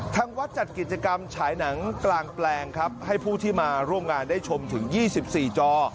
ทางวัดจัดกิจกรรมฉายหนังกลางแปลงครับให้ผู้ที่มาร่วมงานได้ชมถึง๒๔จอ